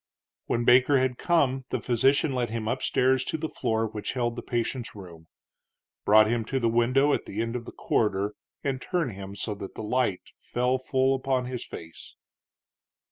When Baker had come the physician led him up stairs to the floor which held the patient's room, brought him to the window at the end of the corridor and turned him so that the light fell full upon his face.